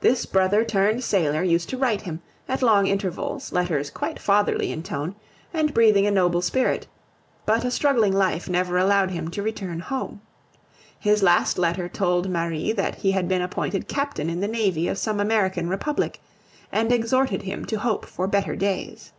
This brother turned sailor used to write him, at long intervals, letters quite fatherly in tone, and breathing a noble spirit; but a struggling life never allowed him to return home. His last letter told Marie that he had been appointed Captain in the navy of some American republic, and exhorted him to hope for better days.